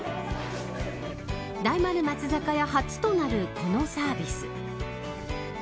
大丸松坂屋初となるこのサービス。